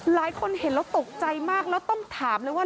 หลายคนเห็นแล้วตกใจมากแล้วต้องถามเลยว่า